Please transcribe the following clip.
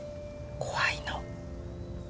怖いの。